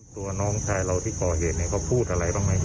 ตัวน้องชายเราที่ก่อเหตุเนี่ยเขาพูดอะไรบ้างไหม